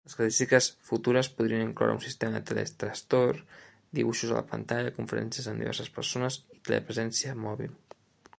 Les característiques futures podrien incloure un sistema "telestrator", dibuixos a la pantalla, conferències amb diverses persones i telepresència mòbil.